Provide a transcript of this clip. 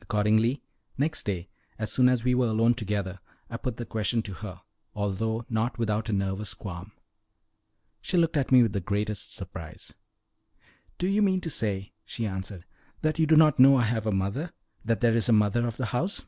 Accordingly, next day, as soon as we were alone together I put the question to her, although not without a nervous qualm. She looked at me with the greatest surprise. "Do you mean to say," she answered, "that you do not know I have a mother that there is a mother of the house?"